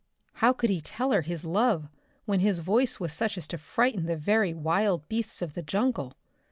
How could he tell her his love when his voice was such as to frighten the very wild beasts of the jungle?